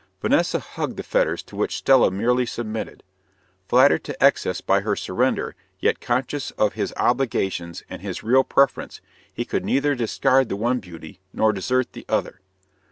Vanessa hugged the fetters to which Stella merely submitted. Flattered to excess by her surrender, yet conscious of his obligations and his real preference, he could neither discard the one beauty nor desert the other.